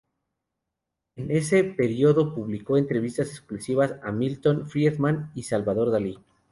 En ese periodo publicó entrevistas exclusivas a Milton Friedman y Salvador Dalí.